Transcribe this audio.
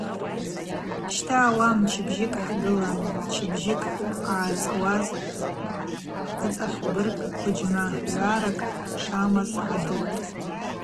Щта ауаъа мчыбжьыкӏ хӏгылан, мчыбжьыкӏ ъацӏуаз хӏыцӏахьбырг квыджьмагӏваракӏ шамаз гӏдыртӏ.